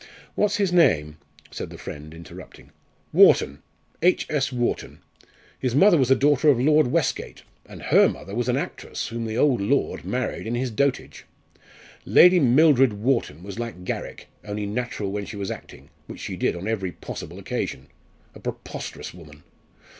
"What's the name?" said the friend, interrupting. "Wharton H.S. Wharton. His mother was a daughter of Lord Westgate, and her mother was an actress whom the old lord married in his dotage. Lady Mildred Wharton was like Garrick, only natural when she was acting, which she did on every possible occasion. A preposterous woman!